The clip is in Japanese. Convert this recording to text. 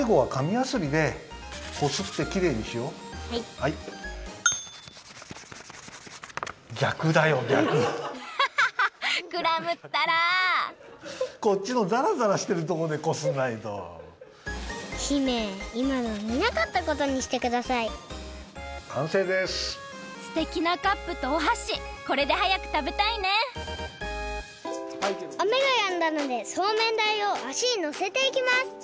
雨がやんだのでそうめんだいをあしにのせていきます！